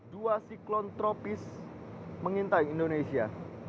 dua siklon tropis mengintai indonesia